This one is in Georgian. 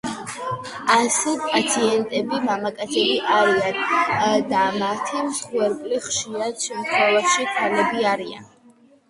ასეთი პაციენტები მამაკაცები არიან და მათი მსხვერპლი, ხშირ შემთხვევაში, ქალები არიან.